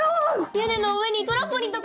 屋根の上にトランポリンとか？